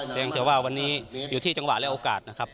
เพียงแต่ว่าวันนี้อยู่ที่จังหวะและโอกาสนะครับ